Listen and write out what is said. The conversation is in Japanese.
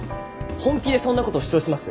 本気でそんな事主張します？